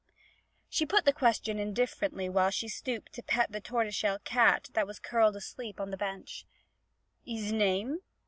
She put the question indifferently while she stooped to pet a tortoise shell cat that was curled asleep on the bench. 'His name?'